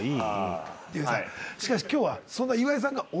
しかし今日は。